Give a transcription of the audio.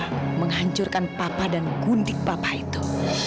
dan menghancurkan papa dan guntik papa itu